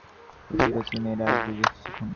কচি কচি মেয়েরা আসবে সেখানে।